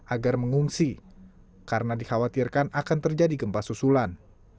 agar mengungsi karena dikhawatirkan akan terjadi gempa susulan